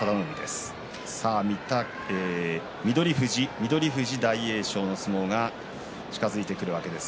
翠富士、大栄翔の相撲が近づいています。